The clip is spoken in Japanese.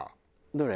どれ？